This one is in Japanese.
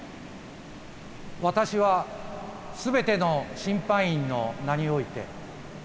私はすべての審判員の名において。